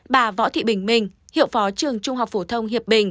bà võ thị bình minh hiệu phó trường trung học phổ thông hiệp bình